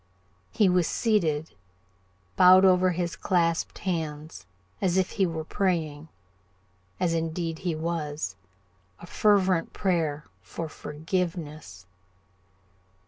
He was seated bowed over his clasped hands, as if he were praying, as indeed he was, a fervent prayer for forgiveness.